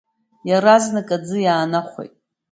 Иаразнак аӡы иаанахәеит.